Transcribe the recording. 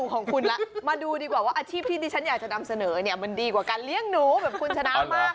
เป็นราคาไม่แพงเอาใหม่จิ้มใหม่พี่จ้า